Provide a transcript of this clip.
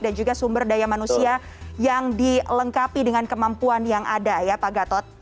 dan juga sumber daya manusia yang dilengkapi dengan kemampuan yang ada ya pak gatot